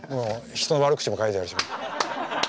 人の悪口も書いてあるし。